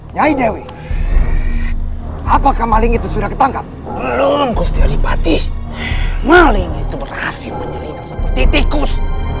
nyai dewi apakah maling itu sudah ketangkap belum sipati maling itu berhasil menyelinap seperti tikus